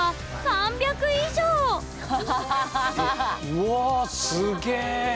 うわすげえ！